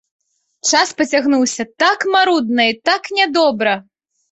Час пацягнуўся так марудна і так нядобра!